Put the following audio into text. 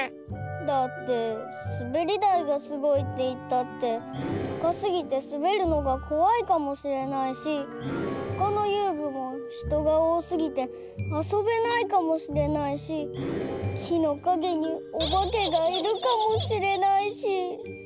だってすべりだいがすごいっていったってたかすぎてすべるのがこわいかもしれないしほかのゆうぐもひとがおおすぎてあそべないかもしれないしきのかげにおばけがいるかもしれないし。